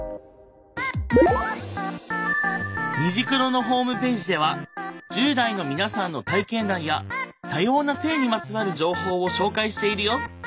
「虹クロ」のホームページでは１０代の皆さんの体験談や多様な性にまつわる情報を紹介しているよ。